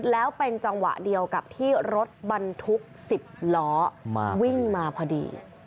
แล้วเป็นจังหวะเดียวกับที่รถบรรทุก๑๐ล้อวิ่งมาพอดี